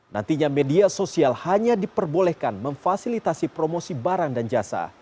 nantinya media sosial hanya diperbolehkan memfasilitasi promosi barang dan jasa